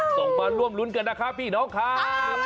ส่งมาร่วมหลุนกันนะคะพี่น้องค่ะ